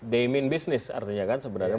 they mean business artinya kan sebenarnya